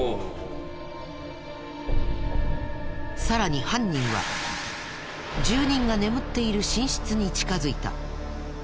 さらに犯人は住人が眠っている寝室に近づいた。